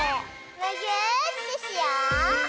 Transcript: むぎゅーってしよう！